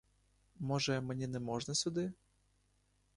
Може, мені не можна сюди?